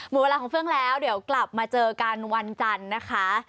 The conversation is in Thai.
หมดเวลาของเฟื่องแล้วเดี๋ยวกลับมาเจอกันวันจันทร์นะคะ